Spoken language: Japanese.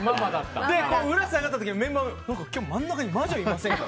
裏に下がった時にメンバーが真ん中に魔女がいませんか？